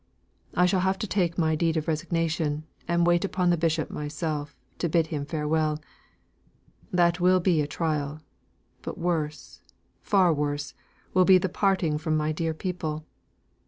I shall have to take my deed of resignation, and wait upon the bishop myself, to bid him farewell. That will be a trial. But worse, far worse, will be the parting from my dear people.